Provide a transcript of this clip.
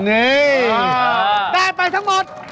นี่ได้ไปทั้งหมด